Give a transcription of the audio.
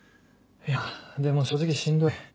いやでも正直しんどい。